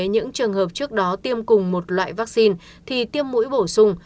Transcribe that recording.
những trường hợp trước đó tiêm cùng một loại vaccine thì tiêm mũi bổ sung